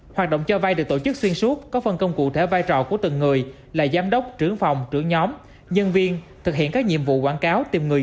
hoạt động cho vây được tổ chức xuyên suốt có phần công cụ thể vai trò của từng người là giám đốc trưởng phòng trưởng nhóm nhân viên thực hiện các nhiệm vụ quảng cáo